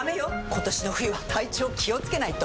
今年の冬は体調気をつけないと！